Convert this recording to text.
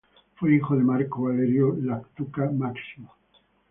Fue hijo de Marco Valerio Lactuca Máximo.